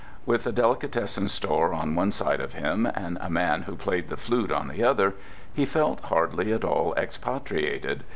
With a delicatessen store on one side of him and a man who played the flute on the other, he felt hardly at all expatriated.